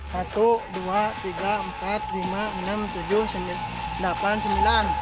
satu dua tiga empat lima enam tujuh delapan sembilan